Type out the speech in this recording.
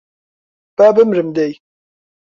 با بمرم دەی